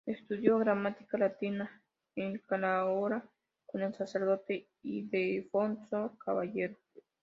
Estudió gramática latina en Calahorra con el sacerdote Ildefonso Caballero.